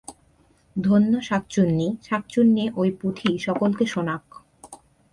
ধন্য শাঁকচুন্নী! শাঁকচুন্নী ঐ পুঁথি সকলকে শোনাক।